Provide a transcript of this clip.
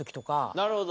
なるほど。